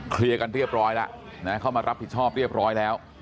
เคลียร์กันเรียบร้อยแล้วนะเข้ามารับผิดชอบเรียบร้อยแล้ว